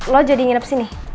lo jadi nginep sini